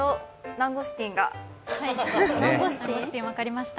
ナンゴスティン、分かりました。